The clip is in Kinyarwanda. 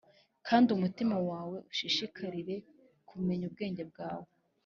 kandi umutima wawe ushishikarire kumenya ubwenge bwanjye,